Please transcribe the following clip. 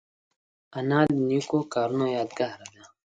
انا د نیکو کارونو یادګار ده